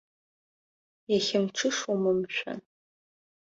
Иахьа мҽышоума, мшәан?